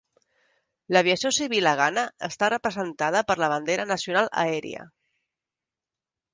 L'aviació civil a Ghana està representada per la bandera nacional aèria.